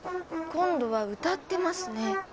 今度は歌ってますね。